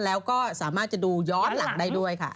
แล้วก็สามารถจะดูย้อนหลังได้ด้วยค่ะ